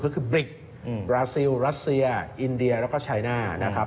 ก็คือบริกบราซิลรัสเซียอินเดียแล้วก็ชัยหน้านะครับ